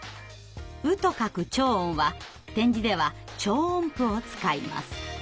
「う」と書く長音は点字では長音符を使います。